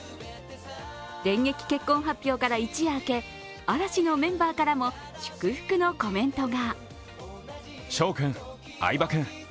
電撃結婚発表から一夜明け、嵐のメンバーからも祝福のコメントが。